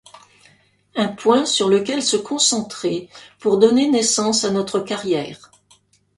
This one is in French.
Un point sur lequel se concentrer pour donner naissance à notre carrière.